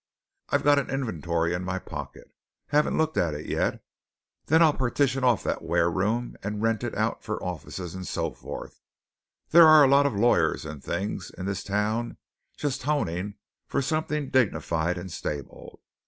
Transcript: I've got an inventory in my pocket. Haven't looked at it yet. Then I'll partition off that wareroom and rent it out for offices and so forth. There are a lot of lawyers and things in this town just honing for something dignified and stable.